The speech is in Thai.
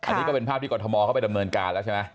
อันนี้ก็เป็นภาพที่กรทมเขาไปดำเนินการแล้วใช่ไหม